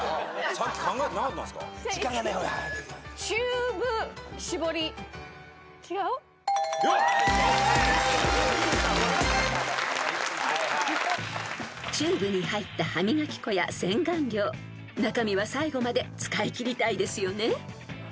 ［チューブに入った歯磨き粉や洗顔料中身は最後まで使い切りたいですよね］